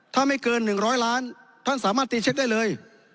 ถ้าไม่เกิน๑๐๐ล้านท่านสามารถตีเช็คได้เลย